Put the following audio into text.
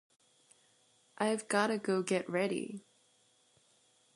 I’ve gotta go get ready.